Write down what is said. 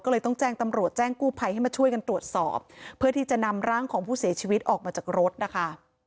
ก็เลยต้องแจ้งตำรวจแจ้งกู้ภัยให้มาช่วยกันตรวจสอบเพื่อที่จะนำร่างของผู้เสียชีวิตออกมาจากรถนะคะ